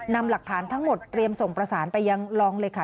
นำหลักฐานทั้งหมดเตรียมส่งประสานไปยังรองเลยค่ะ